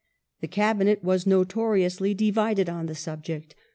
The Cabinet was notoriously divided on the subject.'